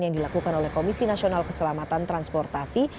yang dilakukan oleh komisi nasional keselamatan transportasi